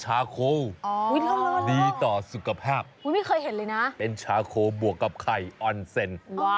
ดีต่อสุขภาพไม่เคยเห็นเลยนะเป็นชาโคบวกกับไข่ออนเซ็น